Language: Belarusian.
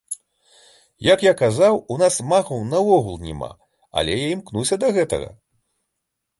Як я казаў, у нас магаў наогул няма, але я імкнуся да гэтага.